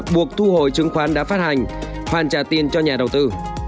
buộc thu hồi chứng khoán đã phát hành hoàn trả tiền cho nhà đầu tư